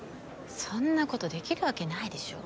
そんなことできるわけないでしょ。